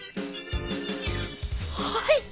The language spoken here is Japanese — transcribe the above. はい。